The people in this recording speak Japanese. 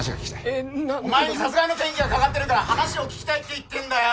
えっ何・お前に殺害の嫌疑がかかってるから話を聞きたいって言ってんだよ！